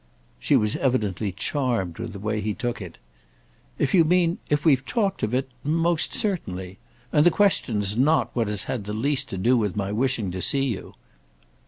She was evidently charmed with the way he took it. "If you mean if we've talked of it—most certainly. And the question's not what has had least to do with my wishing to see you."